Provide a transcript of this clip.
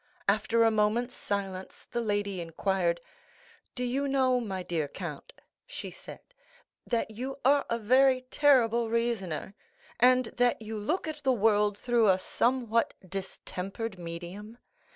After a moment's silence, the lady inquired: "Do you know, my dear count," she said, "that you are a very terrible reasoner, and that you look at the world through a somewhat distempered medium?